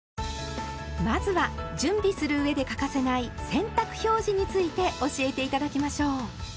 まずは準備する上で欠かせない「洗濯表示」について教えて頂きましょう。